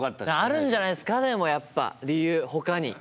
あるんじゃないですかでもやっぱ理由ほかに。